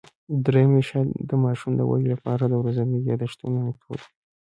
درېیمه ریښه د ماشوم د ودې له پاره د ورځينو یادښتونو مېتود وو